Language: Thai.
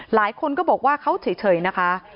หลายคนก็บอกว่าเขาเฉยนะคะ